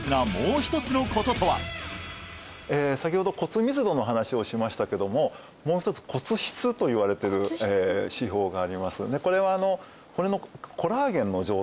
先ほど骨密度の話をしましたけどももう一つ骨質といわれてる指標があります